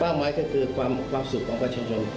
ไม้ก็คือความสุขของประชาชน